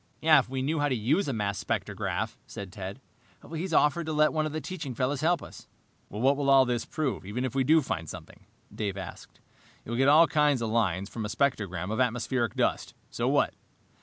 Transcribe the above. "If we knew how to use a mass spectrograph," said Ted. "He's offered to let one of the teaching fellows help us." "What will all this prove, even if we do find something?" Dave asked. "You'll get all kinds of lines from a spectrogram of atmospheric dust. So what?"